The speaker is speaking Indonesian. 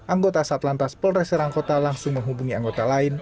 anggota satlantas polreserang kota langsung menghubungi anggota lain